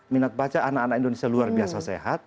minat baca anak anak indonesia luar biasa sehat